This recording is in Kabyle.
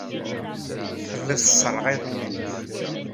Tellid tesserɣayed iman-nnek.